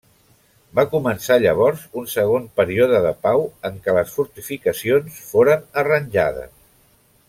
Va començar llavors un segon període de pau, en què les fortificacions foren arranjades.